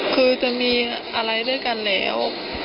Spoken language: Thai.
คือจะมีอะไรด้วยกันแล้ว